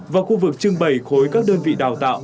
và khu vực trưng bày khối các đơn vị đào tạo